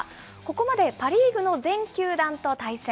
ここまでパ・リーグの全球団と対戦。